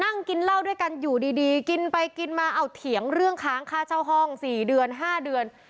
นั่งกินเหล้าด้วยกันอยู่ดีกินไปกินมาเอาเถียงเรื่องค้างค่าเช่าห้อง๔เดือน๕เดือน